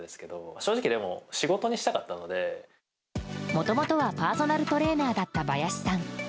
もともとはパーソナルトレーナーだったバヤシさん。